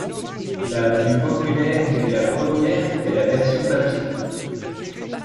La plus populaire et la première est la version papier.